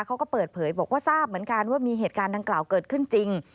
เขาก็เปิดเผยบอกว่าทราบเหมือนกันว่ามีเหตุการณ์ดังกล่าวเกิดขึ้นจริง